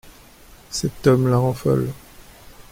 Cet homme la rend folle.